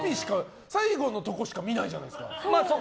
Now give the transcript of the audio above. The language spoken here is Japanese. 最後のとこしか見ないじゃないですか。